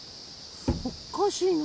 おかしいな。